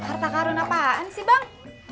harta karun apaan sih bang